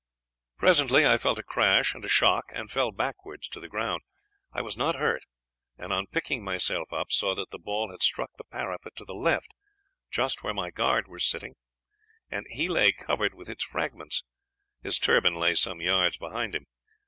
"Presently I felt a crash and a shock, and fell backwards to the ground. I was not hurt, and picking myself up saw that the ball had struck the parapet to the left, just where my guard was sitting, and he lay covered with its fragments. His turban lay some yards behind him.